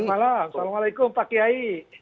selamat malam assalamualaikum pak kiai